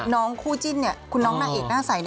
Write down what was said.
น้องคู่จิ้นนี่คุณน้องนางเอกหน้าใส